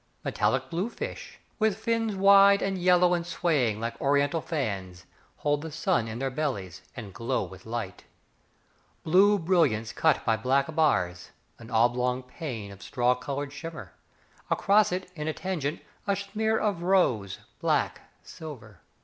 Metallic blue fish, With fins wide and yellow and swaying Like Oriental fans, Hold the sun in their bellies And glow with light: Blue brilliance cut by black bars. An oblong pane of straw coloured shimmer, Across it, in a tangent, A smear of rose, black, silver.